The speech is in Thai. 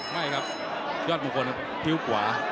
ไม่ครับยอดบุคคลคิ้วขวา